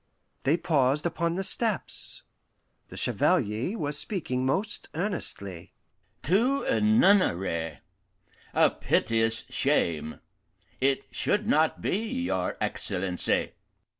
They paused upon the steps. The Chevalier was speaking most earnestly: "To a nunnery a piteous shame! it should not be, your Excellency."